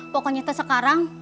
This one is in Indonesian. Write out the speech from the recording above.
pokoknya teh sekarang